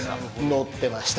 載ってました！